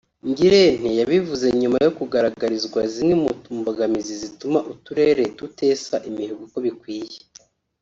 Ngirente yabivuze nyuma yo kugaragarizwa zimwe mu mbogamizi zituma Uturere tutesa imihigo uko bikwiye